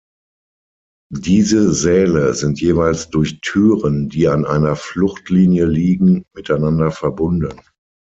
Diese Säle sind jeweils durch Türen, die an einer Fluchtlinie liegen, miteinander verbunden.